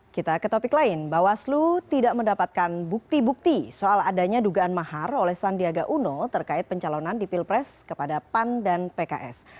kita ke topik lain bawaslu tidak mendapatkan bukti bukti soal adanya dugaan mahar oleh sandiaga uno terkait pencalonan di pilpres kepada pan dan pks